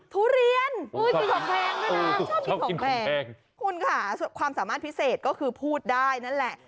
ทุเรียนชอบกินของแพงคุณค่ะความสามารถพิเศษก็คือพูดได้นั่นแหละ